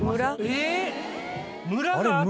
えっ！